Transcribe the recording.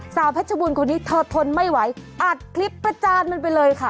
สาวพชบุญคนนี้ทดทนไม่ไหวอัดคลิปพระจารมันไปเลยค่ะ